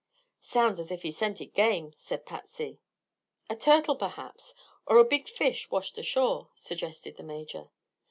"Sounds as if he scented game," said Patsy. "A turtle, perhaps, or a big fish washed ashore," suggested the Major.